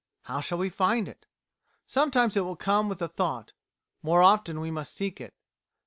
How shall we find it? Sometimes it will come with the thought; more often we must seek it.